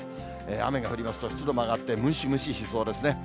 雨が降りますと、湿度も上がってムシムシしそうですね。